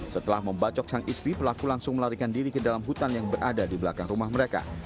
setelah membacok sang istri pelaku langsung melarikan diri ke dalam hutan yang berada di belakang rumah mereka